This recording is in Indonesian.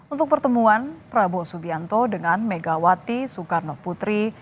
untuk pertemuan prabowo subianto dengan megawati soekarnoputri